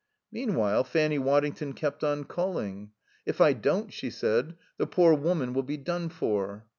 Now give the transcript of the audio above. Meanwhile Fanny Waddington kept on calling. "If I don't," she said, "the poor woman will be done for."